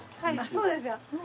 そうですか。